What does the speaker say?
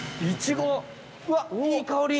うわいい香り！